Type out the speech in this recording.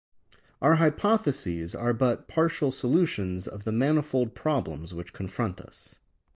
Our hypotheses are but partial solutions of the manifold problems which confront us.